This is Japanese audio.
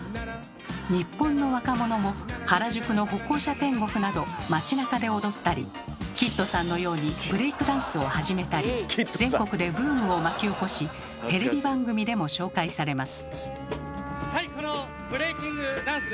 日本の若者も原宿の歩行者天国など街中で踊ったりＫＩＤさんのようにブレイクダンスを始めたり全国でブームを巻き起こしテレビ番組でも紹介されます。